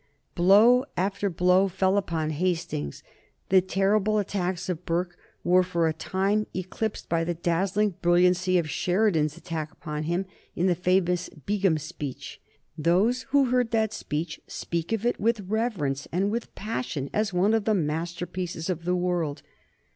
Blow after blow fell upon Hastings. The terrible attacks of Burke were for a time eclipsed by the dazzling brilliancy of Sheridan's attack upon him in the famous Begum speech. Those who heard that speech speak of it with reverence and with passion as one of the masterpieces of the world.